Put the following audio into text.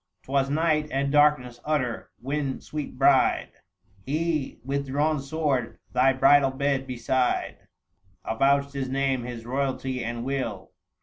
'Twas night, and darkness utter, when, sweet bride, He with drawn sword thy bridal bed beside Avouched his name, his royalty, and will.